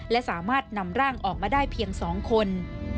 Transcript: และสามารถนำร่างออกมาได้เพียง๒คน